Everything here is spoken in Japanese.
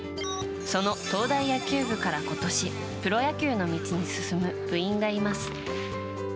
その東大野球部から今年プロ野球の道に進む部員がいます。